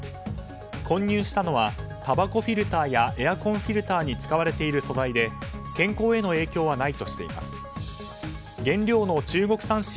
混入したのはたばこフィルターやエアコンフィルターに使われている素材で健康への影響はないとしています。